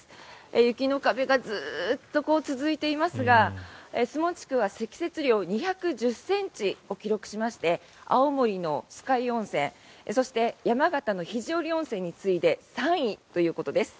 雪の壁がずっと続いていますが守門地区は積雪量２１０ｃｍを記録しまして青森の酸ヶ湯温泉そして山形の肘折温泉に次いで３位ということです。